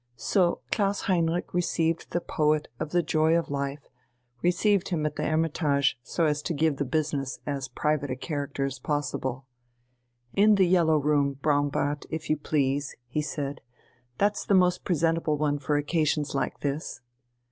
So Klaus Heinrich received the poet of the "Joy of Life," received him at the "Hermitage," so as to give the business as private a character as possible. "In the yellow room, Braunbart if you please," he said, "that's the most presentable one for occasions like this."